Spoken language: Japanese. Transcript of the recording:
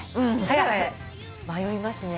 迷いますね。